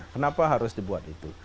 kenapa harus dibuat itu